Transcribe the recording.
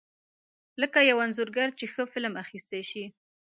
لکه یو انځورګر چې ښه فلم اخیستی شي.